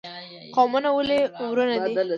قومونه ولې ورونه دي؟